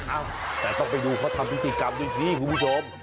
เอ้าแต่ต้องไปดูเขาทำพิธีกรรมด้วยสิคุณผู้ชม